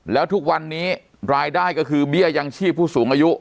แล้วทุกวันนี้รายได้ก็คือเบี้ยยังชีพผู้สูงอายุ